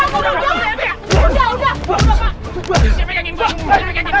pak pak pak